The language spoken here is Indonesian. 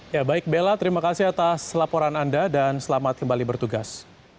ya baik bella terima kasih atas laporan anda dan selamat kembali bertugas